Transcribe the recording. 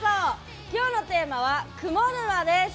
今日のテーマは「雲沼」です。